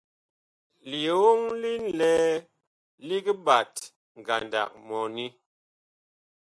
Lioŋ li ŋlɛɛ lig ɓat ngandag mɔni.